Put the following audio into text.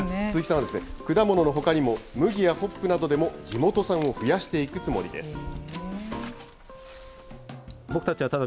鈴木さんはですね、果物のほかにも、麦やホップなどでも地元産を増やしていくつもりです。